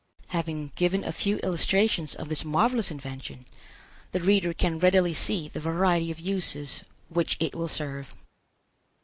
Having given a few illustrations of this marvelous invention, the reader can readily see the variety of uses which it will serve.